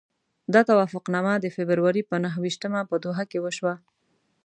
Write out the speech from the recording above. دا توافقنامه د فبروري پر نهه ویشتمه په دوحه کې وشوه.